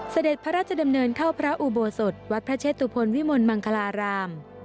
เสด็จพระราชดำเนินเข้าพระอุโบสถวัดพระเชตุพลวิมลมังคลาราม